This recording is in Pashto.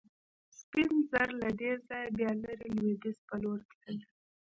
سپین زر له دې ځایه بیا لرې لوېدیځ په لور تلل.